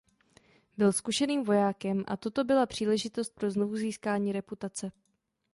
Byl zkušeným vojákem a toto byla příležitost pro znovuzískání reputace.